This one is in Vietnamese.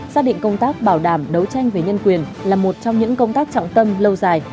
xác định công tác bảo đảm đấu tranh về nhân quyền là một trong những công tác trọng tâm lâu dài